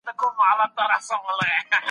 موږ غواړو دي مهمي موضوع ته اشاره وکړو.